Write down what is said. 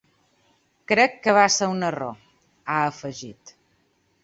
Crec que va ser un error, ha afegit.